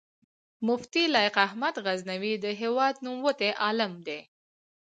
مفتي لائق احمد غزنوي د هېواد نوموتی عالم دی